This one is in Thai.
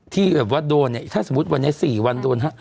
ที่แบบว่าโดนเนี่ยถ้าสมมุติวันนี้๔วันโดนฮะ